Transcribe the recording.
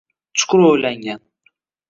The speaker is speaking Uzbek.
Chuqur o‘ylangan.